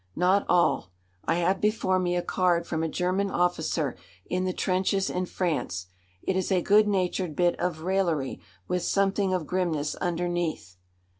Not all. I have before me a card from a German officer in the trenches in France. It is a good natured bit of raillery, with something of grimness underneath.